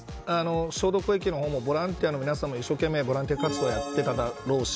消毒液の方もボランティアの皆さんも一生懸命ボランティア活動やってただろうし